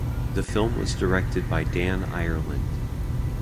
The film was directed by Dan Ireland.